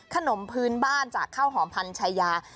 ขนมพื้นบ้านจากข้าวหอมพันชายา